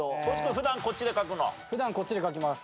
普段こっちで書きます。